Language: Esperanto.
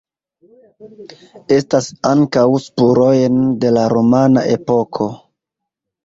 Estas ankaŭ spurojn de la romana epoko.